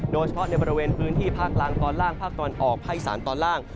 โดยเฉพาะในบริเวณพื้นที่ภาคล่างตอนล่างภาคตะวันออกภาคอีสานตอนล่าง